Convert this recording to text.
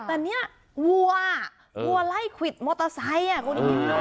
แต่เนี่ยวัววัวไล่ควิดมอเตอร์ไซค์คุณ